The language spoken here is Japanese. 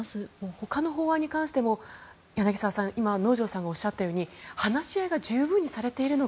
ほかの法案に関しても柳澤さん、今能條さんがおっしゃったように話し合いが十分にされているのか。